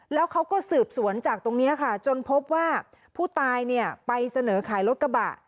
แล้วเขาก็สืบสวนจากตรงนี้ค่ะจนพบว่าผู้ตายเนี่ยไปเสนอขายรถกระบะ